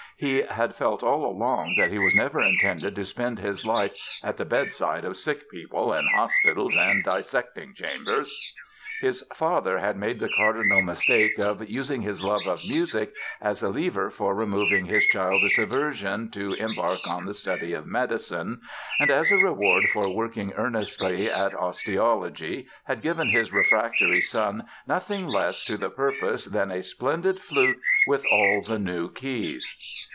He had felt all along that he was never intended to spend his life "at the bedside of sick people, in hospitals and dissecting chambers". His father had made the cardinal mistake of "using his love of music as a lever for removing his 'childish aversion' to embark on the study of medicine" and, as a reward for working earnestly at osteology had given his refractory son nothing less to the purpose than "a splendid flute, with all the new keys"!